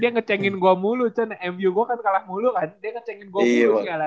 dia ngecengin gua mulu cun m u gua kan kalah mulu kan dia ngecengin gua mulu